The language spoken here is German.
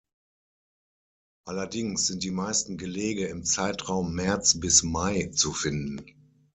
Allerdings sind die meisten Gelege im Zeitraum März bis Mai zu finden.